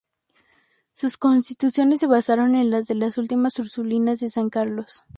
Sus constituciones se basaron en las de las Ursulinas de San Carlos.